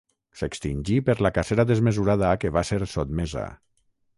S'extingí per la cacera desmesurada a què va ser sotmesa.